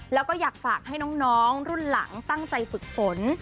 แล้วก็อยากฝากให้น้องรุ่นหลังตั้งใจฝึกฝน